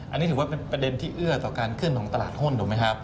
อันนี้ถือว่าเป็นประเด็นที่เอื้อต่อการขึ้นของตลาดหุ้นถูกไหมครับ